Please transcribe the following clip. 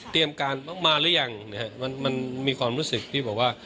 การบ้างมาหรือยังนะฮะมันมันมีความรู้สึกที่บอกว่า